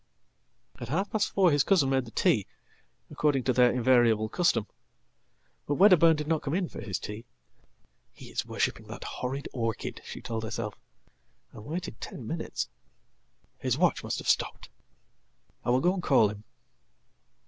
*At half past four his cousin made the tea, according to their invariablecustom. But Wedderburn did not come in for his tea."He is worshipping that horrid orchid," she told herself, and waited tenminutes. "His watch must have stopped. I will go and call him."